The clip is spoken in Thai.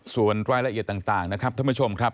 ส่วนรายละเอียดต่างนะครับท่านผู้ชมครับ